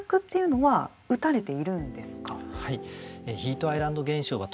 はい。